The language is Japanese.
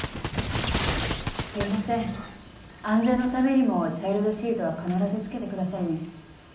すいません安全のためにもチャイルドシートは必ず付けてくださいね。